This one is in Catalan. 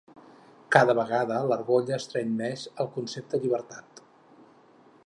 Cada vegada l’argolla estreny més el concepte llibertat.